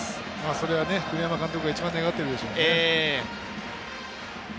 それは栗山監督が一番願っているでしょうね。